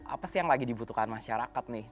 apa sih yang lagi dibutuhkan masyarakat nih